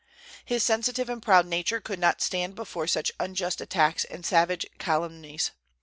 His sensitive and proud nature could not stand before such unjust attacks and savage calumnies.